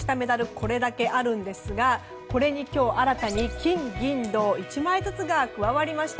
これだけあるんですがこれに今日新たに金銀銅１枚ずつが加わりました。